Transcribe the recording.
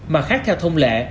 mà khác theo thông lệ